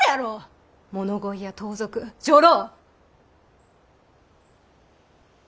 物乞いや盗賊女郎。